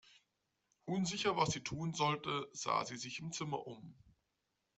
Unsicher, was sie tun sollte, sah sie sich im Zimmer um.